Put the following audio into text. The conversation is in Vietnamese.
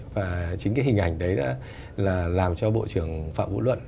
và chính cái hình ảnh đấy đã là làm cho bộ trưởng phạm vũ luận